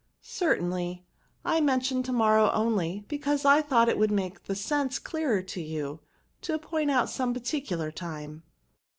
Certainly ; I mentioned to morrow only, because I thought it would make the sense clearer to you, to point out some particular time."